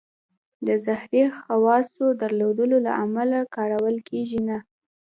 د زهري خواصو درلودلو له امله کارول کېږي نه.